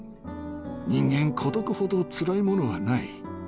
人間、孤独ほどつらいものはない。